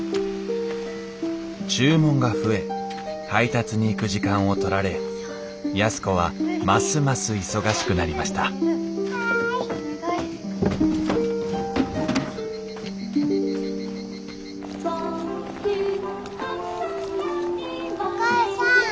注文が増え配達に行く時間をとられ安子はますます忙しくなりましたお母さん「カムカム英語」始まるよ。